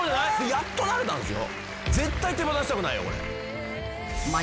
やっとなれたんですよ。